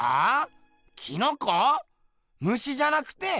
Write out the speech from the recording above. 虫じゃなくて？